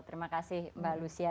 terima kasih mbak lusia